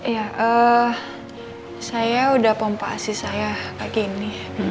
ya saya udah pompa asis saya pagi ini